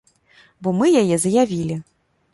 Бо мы яе заявілі.